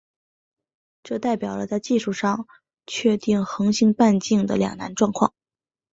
这代表了在技术上确定恒星半径的两难状况。